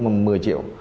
mà mười triệu